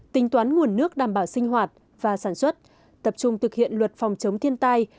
tính toán nguồn nước đảm bảo sinh hoạt và sản xuất tập trung thực hiện luật phòng chống thiên tai